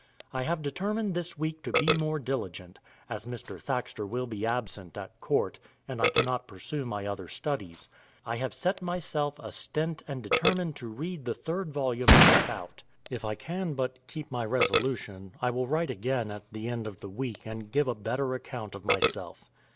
I have determined this week to be more diligent, as Mr. Thaxter will be absent at Court, and I cannot pursue my other studies. I have Set myself a Stent and determine to read the 3rd volume Half out. If I can but keep my resolution, I will write again at the end of the week and give a better account of myself.